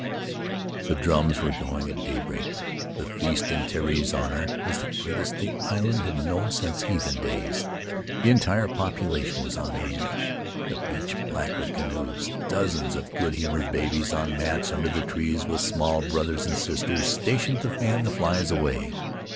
... "The drums were going at daybreak — the feast in Terii's honor was the greatest the island had known since heathen days. The entire population was on hand; the beach black with canoes; dozens of good humored babies on mats under the trees, with small brothers and sisters stationed to fan the flies away.